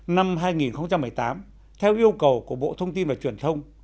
năm hai nghìn một mươi tám theo yêu cầu của bộ thông tin và truyền thông